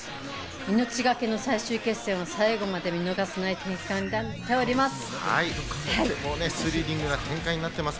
命がけの最終決戦は最後まで見逃せない展開になっております。